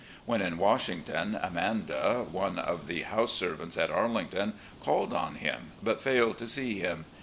When in Washington, Amanda, one of the house servants at Arlington, called on him but failed to see him.